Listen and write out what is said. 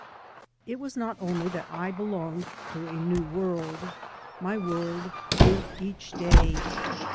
It was not only that I belonged to a new world. My world grew each day.